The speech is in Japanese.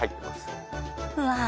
うわ。